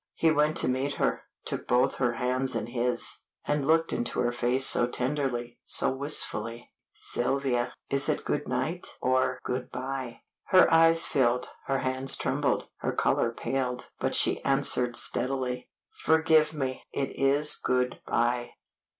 He went to meet her, took both her hands in his, and looked into her face so tenderly, so wistfully! "Sylvia, is it good night or good by?" Her eyes filled, her hands trembled, her color paled, but she answered steadily "Forgive me; it is good by."